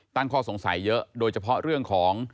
ตั้งข้อสงสัยเยอะโดยเฉพาะเรื่องของ